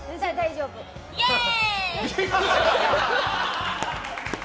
イエーイ！